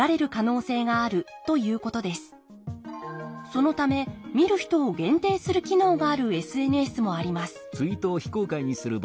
そのため見る人を限定する機能があるＳＮＳもあります